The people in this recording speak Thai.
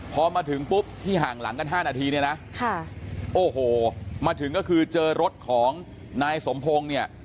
พอมาถึงปุ๊บที่ห่างหลังกัน๕นาทีเนี่ยนะโอ้โหมาถึงก็คือเจอรถของนายสมพงศ์เนี่ย